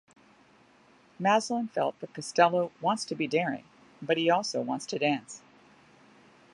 Maslin felt that Costello "wants to be daring, but he also wants to dance".